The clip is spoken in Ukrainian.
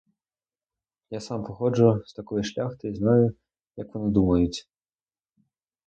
Я сам походжу з такої шляхти і знаю як вони думають.